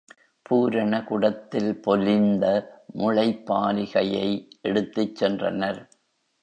பூரண குடத்தில் பொலிந்த முளைப்பாலிகையை எடுத்துச் சென்றனர்.